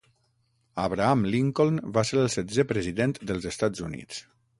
Abraham Lincoln va ser el setzè president dels Estats Units.